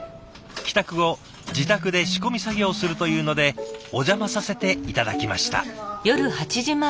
帰宅後自宅で仕込み作業をするというのでお邪魔させて頂きました。